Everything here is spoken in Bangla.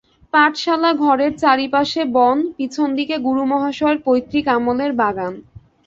পাঠশালা-ঘরের চারিপাশে বন, পিছন দিকে গুরুমহাশয়ের পৈতৃক আমলের বাগান।